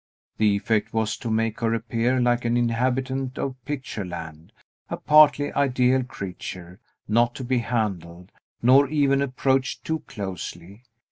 The effect was to make her appear like an inhabitant of pictureland, a partly ideal creature, not to be handled, nor even approached too closely.